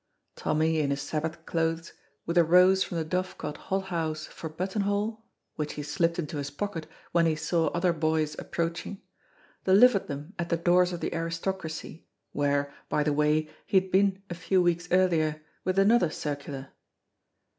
Tommy in his Sabbath clothes, with a rose from the Dovecot hot house for buttonhole (which he slipped into his pocket when he saw other boys approaching), delivered them at the doors of the aristocracy, where, by the way, he had been a few weeks earlier, with another circular.